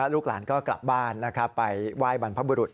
ลูกหลานก็กลับบ้านไปไหว้บรรพบุรุษ